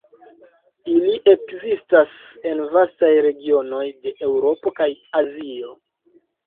Ili ekzistas en vastaj regionoj de Eŭropo kaj Azio.